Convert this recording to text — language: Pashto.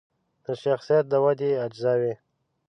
د شخصیت د ودې اجزاوې